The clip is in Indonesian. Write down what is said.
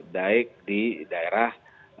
daik di daerah